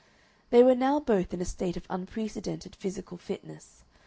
They were now both in a state of unprecedented physical fitness.